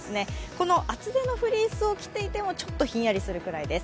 この厚手のフリースを着ていてもちょっとひんやりするくらいです。